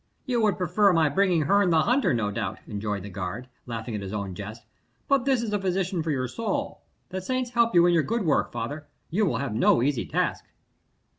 "You would prefer my bringing Herne the Hunter, no doubt," rejoined the guard, laughing at his own jest; "but this is a physician for your soul. The saints help you in your good work, father; you will have no easy task."